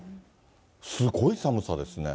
すごい寒さですね。